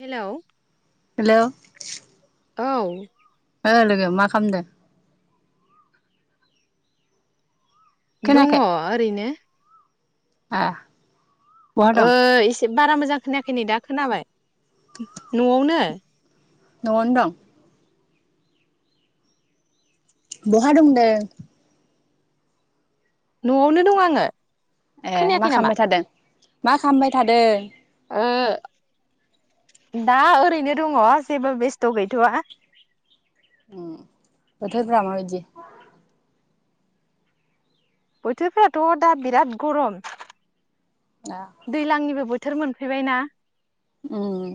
Hello hello औ ओ लोगो मा खामदो खोनायाखै दंङो ओरैनो आ बहा ओ दं एसे बारा मोजां खोनाखै नेदा खोनाबाय न'आवनो न'आवनो दं बहा दंदों। न'आवनो दं आंङो ए मा खामबाय थादों मा खामबाय थादों ओ दा ओरैनो दङ जेबो बेस्थ' गैथ' आ उम बोथोरफोरा माबायदि बोथोरफोराथ' दा बिराद गरम दा दैज्लांनिबो बोथो बोथोर मोनफैबाय ना उम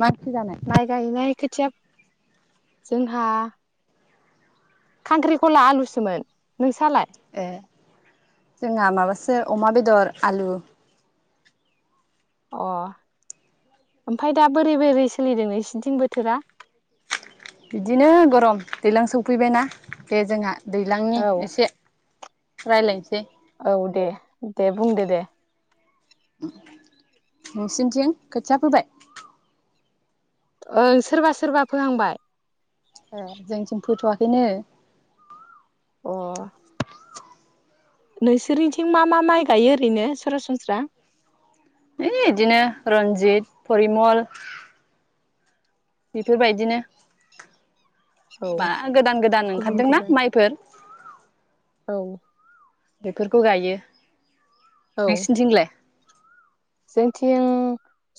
मानसि जानाय खोथियाब जोंहा खांख्रिखला आलुसोमोन नोंसालाय? ए जोंहा माबासो अमा बेदर आलु अ ओमफफ्राय दा बोरै बोरै सोलिदों सिदिं बोथोरा बिदिनो गरम दैज्लां सफैबायना बे जोंहा दैज्लांनि औ एसे रायलायसे औ दे दे बुंदो दे नोंसिनिथिं खोथिया फोबाय ओं सोरबा सोरबा फोहांबाय ए जोंथिम फोथ'वाखैनो अ नोंसोरनिथिं मा मा माइ गायो ओरैनो सरासनस्रा इ बिदिनो रनजित परिमल बेफोरबायदिनो औ मा गोदान गोदान गुबुन ओंखारदोंना गुबुन माइफोर औ बेफोरखौ गायो औ नोंसिनोथिंलै जोंथिं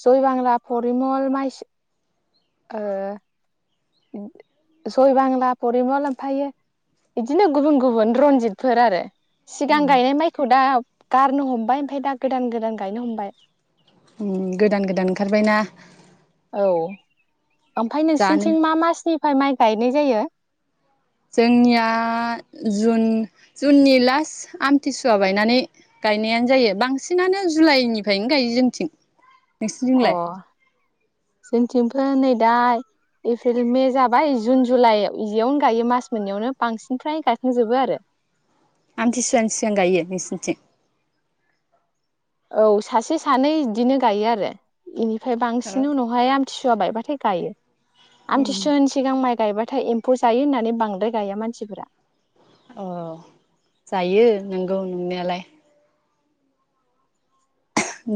जयबांला परिमल माइ और जयबांला परिमल ओमफ्रायो बिदिनो गुबुन गुबुन रनजितफोर आरो सिगां गायनाय माइखौ दा गारनो हमबाय ओमफफ्राय दा गोदान गोदान गायनो हमबाय गोदान गोदान ओंखारबायना औ ओमफ्राय जानो नोंसिोरनिथिं मा मासनिफ्राय माइ गायनाय जायो जोंनिया जुन जुननि लास्ट आमथिसुवा बायनानै गायनायानो जायो बांसिनानो जुलाइनिफ्रायनो गायो जोंथिं नोंसिनथिलाय जोंथिंफोर नै दा एप्रिल मे जाबाय जुन जुलाइ बेयावनो गायो मास मोननैयावनो बांसिनफ्राय्राय गायखांजोबो आरो आमथिसुवानि सिगां गायो नोंसोरनिथिं औ सासे सानै बिदिनो गायो आरो बेनिफ्राय ओमफ्राय बांसिन उनावाय आमथिु फा बायबाथाय गायो उम आथि सहन सिगां माइ गायबा हाथाय एम्फौ जायो होननानै बांद्राय गाया मानसिफोरा औ जायो नंगौ नंनायालाय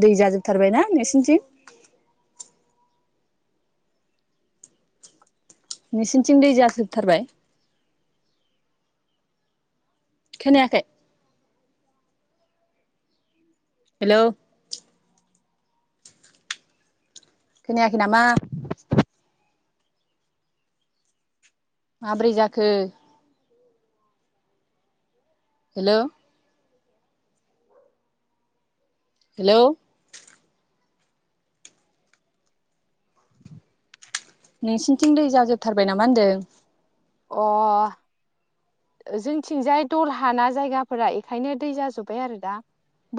दै जाजोबथारबायना नोंसिनिथिं नोंसिनिथिं दै जाजोबथारबाय खोनायाखै हेलौ खोनायाखै नामा माबोरै जाखो हेलौ हेलौ नोंसिनिथिं दै जाजोबथारबाय नामा होन्दों अ जोंथिंजाय दल हाना जायगाफोरा बेखायनो दै जाजोब्बाय आरो दा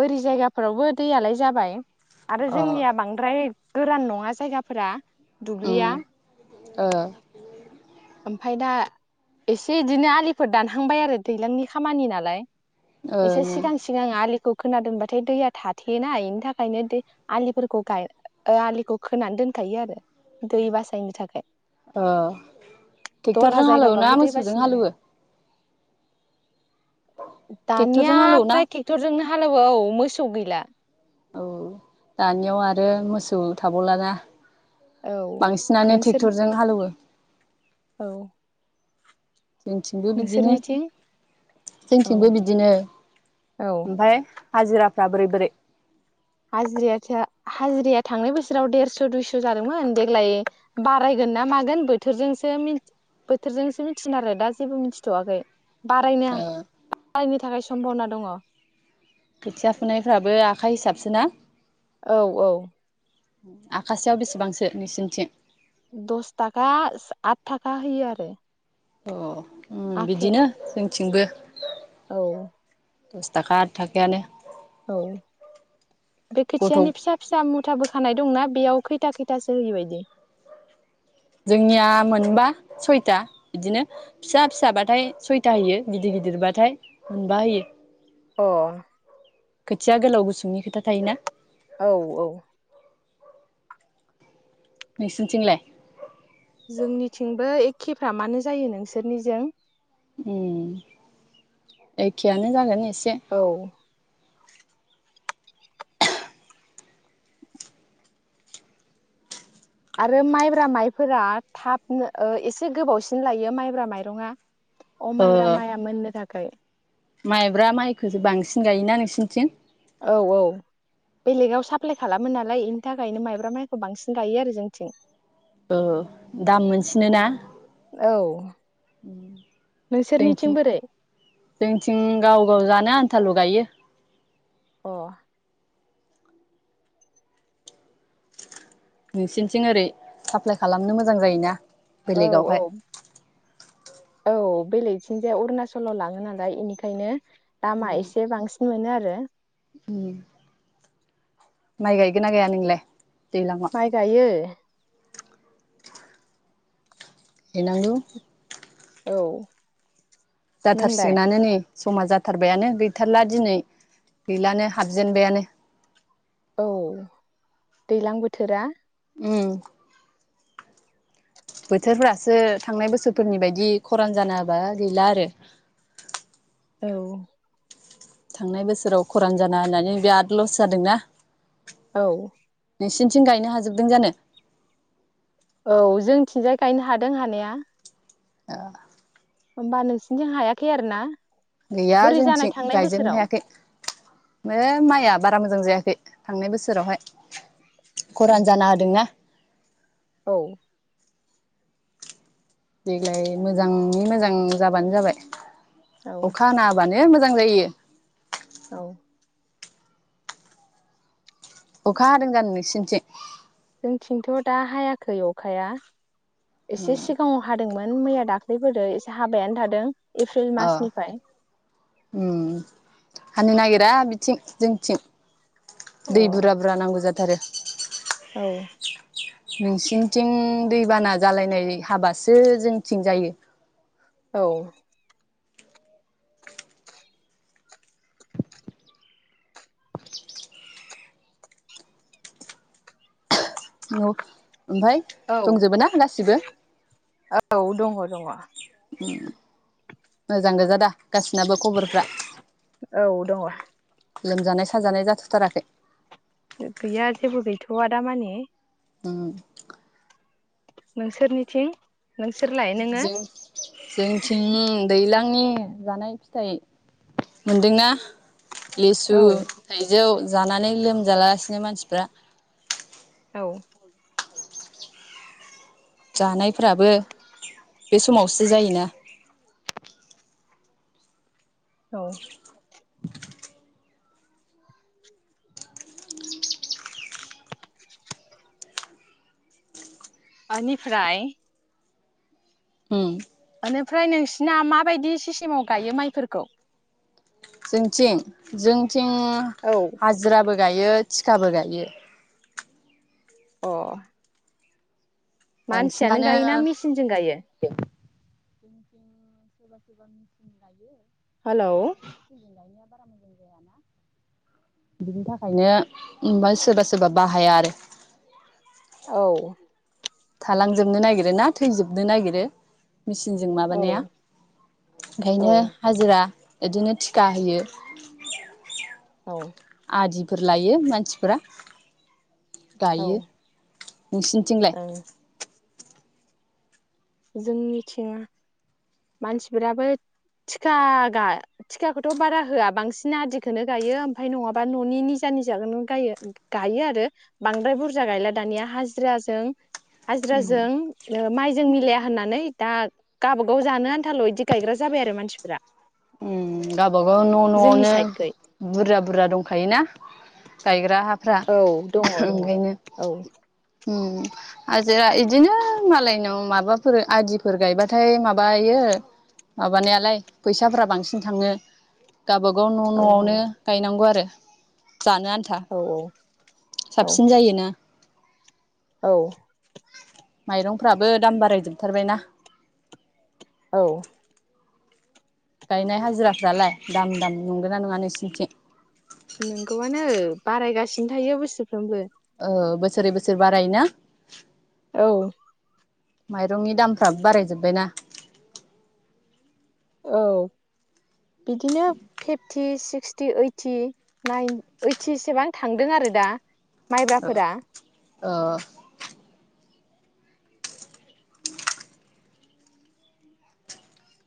बोरि जायगाफोरावबो दैयालाय जाबाय आरो अ जोंनिया बांद्राय गोरान नङा जायगाफोरा उम दुब्लिया ओ ओमफाय दा एसे इदिनो आलिफोर दानहांबाय आरो दैज्लांनि खामानि नालाय ओं एसे सिगां सिगां आलिखौ खोना दोनबाथाय दैया थाथेयोना बेनि थाखायनो दै आलिफोरखौ गाय आलिखौ खोना दोनखायो आरो दै बासायनो थाखाय ओ दलहा ट्रेक्टरजों हालौवोना जायगाबाबो दै मोसौजों बासिनो हालौवो थाखाय दानिया ट्रेक्टरजों हालेवोना फ्राय टेक्टरजोंनो हालौबो औ औ मोसौ गैला औ दानियाव आरो मोसौ थाबावलाना औ बांसिनानो नोंसोर ट्रेक्टरजों हालौवो औ जोंथिंबो बिदिनो नोंसोरनिथिं औ जोंथिंबो बिदिनो औ ओमफाय हाजिराफ्रा बोरै बोरै? हाजिराया हाजिराया थांनाय बोसोराव देरस' दुइस' जादोंमोन देग्लाय बारायगोन ना मागोन बोथोरजोंसो बोथोरजोंसो मिथिगोन आरो दा जेबो मिथिथ'वाखै बारायनो ओ बारायनो थाखाय सम्भावना दङ। खोथिया फुनायफ्राबो आखाइ हिसाबसो ना? औ औ आखासेयाव बेसेबांसो नोंसिनिथिं दस थाखा आठ थाखा होयो आरो अ ओ आखाया बिदिनो जों थिंबो औ दस थाखा आठ थाखायानो औ बे गथ' खोथियानि फिसा फिसा मुथा बोखानाय दंना बेयाव खैथा खैथासो होयो बायदि जोंनिया मोनबा सयथा बिदिनो फिसा फिसाबाथाय सयथा होयो गिदिर गिदिरबाथाय मोनबा होयो अ खोथिया गोलाव गुसुंनि खोथा थायोना औ औ नोंसिनिथिंलाय जोंनिथिंबो एखेफ्रा मानो जायो नोंसोरनिजों उम एखेयानो जागोन एसे औ आरो माइब्रा माइफोरा थाबनो ओ एसे गोबावसिन लायो माइब्रा माइरङा अ ओ माइब्रा माइया मोननो था खाय माइब्रा माइखौसो बांसिन गायोना नोंसिनिथिं औ औ बेलेगाव साप्लाय खालामो नालाय बेनि थाखायनो माइब्रा माइखौ बांसिन गायो आरो जोंथिं ओ दाम मोनसिनो ना औ उम नोंसोरनिथिं जोंथिं बोरै? जोंथिं गाव गाव जानो आन थाल गायो अ नोंसिनिथिं ओरै साप्लाय खालामनो मोजां जायोना औ बेलेगावहाय औ औ बेलेगथिंजाय अरुणाचलाव लाङो नालाय इनिखायनो दामा एसे बांसिन मोनो आरो माइ गायगोनना गाया नोंलाय दैलाङाव माइ गायो गायनांगौ औ नोंलाय जाथारसिगोनानो नै समा जाथ थारबायानो गैथारला दिनै गैलानो हाबजेनबायानो औ दैज्लां बोथोरा उम बोथोरफोरासो थांनाय बोसोरफोरनि बायदि खरान जानाहोबा गैला आरो औ थांनाय बोसोराव खरान जाना होनानै बिराद लस जादोंना औ नोंसिनिथिं गायनो हाजोबदों जानो औ जोंथिंजाय गायनो हादों हानाया ओ होमबा नोंसिनथिं हायाखै आरो ना गैया बोरै जानाय जोंथिं थांनाय गायजोबनो बोसोराव हायाखै मो माइआ बारा मोजां जायाखै खै थांनाय बोसोरावहाय उम खरान जाना होदोंना औ देग्लाय मोजाङै मोजां जाबानो जाबाय औ अखा हाना होबानो नो मोजां जायो औ अखा हादों जानो नोंसिनथिं जोंथिंथ' दा हायाखै अखाया एसे सिगाङाव हादोंमोन मोन मैया दाख्लैफोरो एसे हाबायानो थादों एप्रिल अ मासनिफ्राय उम हानो नागिर दा बिथिं जोंथिं अ दै बुरजा बुरजा नांगौ जाथारो औ नोंसिनिथिं दैबाना जालायनाय हाबासो जोंथिं जायो औ आ न' ओमफफ्राय औ दंजोबो ना गासिबो औ दङ दङ मोजां गोजादा गासिनाबो खबरफ्रा औ दङ लोमजानाय साजानाय जाथ'थाराखै गैया जेबो गैथ'वा दा माने उओ नोंसोरनिथिं नोंसोरलाय नोङो जों जोंथिं दैज्लांनि जानाय फिथाइ मोनदोंना लिसु औ थाइजौ जानानै लोमजालागासिनो मानसिफ्रा औ जानायफोराबो बे समावसो जायोना। औ आ फ्राय उम बेनिफ्राय नोंसिना माबायदि सिस्टेमाव गायो माइफोरखौ जोंथिं जों आथिं औ हाजिराबो गायो थिखाबो गायो। अ मानसियानो गायोना मेसिनजों गायो। जोंं सोरबा सोरबा मेचिं लायो। हेलौ सिनि ल बा बिनि थाखायनो फ्राय सोरबा सोरबा बाहाया आरो औ थालांजोबनो नागिरो ना थैजोबनो नागिरो मेचिनजों औ माबानाया औ ओंखायनो हाजिरा बिदिनो थिखाा होयो। औ आदिफोर लायो मानसिफोरा औ गायो नोंसिनिथिंलाय ओं जों मिथिङा मानसिफोराबो थिखा थिखाखौथ' बारा होआ बांसिन आदिखौनो गायो ओमफफ्राय नङाबा न'नि निजा निजाखौ गायो गायो आरो बांद्राय बुरजा गायला दानिया हाजिराजों हाजिराजों माइजों मिलाया होननानै दा गाबाव गाव जानो आन्थाल' बिदि गायग्रा जाबाय आरो मानसिफोरा गावबागाव न' जोंनि न'आवनो साइडखै बुरजा बुरजा दंखायोना गायगो औ दङ दङ औ हाजिरा बिदिनो मालायनाव माबाफोर आदिफोर गायबाथाय माबायो माबानायालाय फैसाफोरा बांसिन थाङो गावबागाव न' औ न'आवनो गायनांगौ आरो जानो आन्था औ साबसिन जायोना औ माइरंफ्राबो दाम बारायजोबथारबायना औ गायनाय हाजिराफ्रालाय दाम दाम नंगोना नङा नोंसिनिथिं नंगौआनो बारायगासिनो थायो बोसोरफ्रोमबो और बोसोरै बोसोर बाराय ना औ माइरंनि दामफ्रा बारायजोबबायना औ इदिनो फिफटि सिक्सटि ओइटि नाइन ओइटिसेबां थांदों आरो दा ओ माइब्राफोरा ओ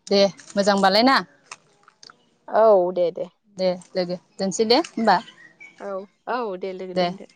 दे मोजांबालाय ना औ दे दे दोनसै दे होमबा औ औ दे लोगो दोनदो